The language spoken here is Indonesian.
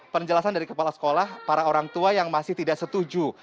penjelasan dari kepala sekolah para orang tua yang masih tidak setuju